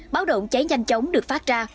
báo động cháy nhanh chóng được phát ra